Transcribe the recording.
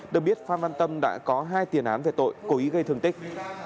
được biết phan văn tâm đã có hai tiền án về tội cố ý gây thương tích